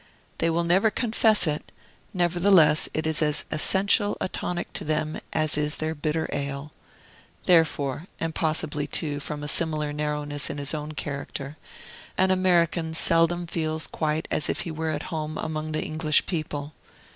They will never confess it; nevertheless, it is as essential a tonic to them as their bitter ale. Therefore, and possibly, too, from a similar narrowness in his own character, an American seldom feels quite as if he were at home among the English people.